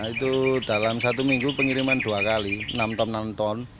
itu dalam satu minggu pengiriman dua kali enam ton enam ton